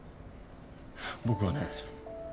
僕はね